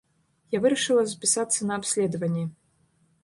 Я вырашыла запісацца на абследаванне.